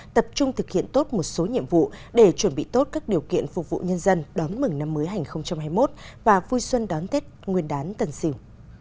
tập trung thực hiện tốt một số nhiệm vụ để chuẩn bị tốt các điều kiện phục vụ nhân dân đón mừng năm mới hai nghìn hai mươi một và vui xuân đón tết nguyên đán tần xỉu